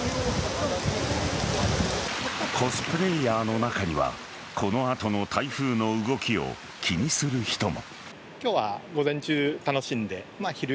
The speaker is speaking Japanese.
コスプレイヤーの中にはこの後の台風の動きを気にする人も。